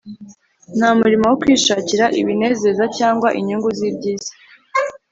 nta murimo wo kwishakira ibinezeza cyangwa inyungu z’iby’isi